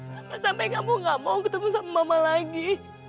sampai sampai kamu gak mau ketemu sama mama lagi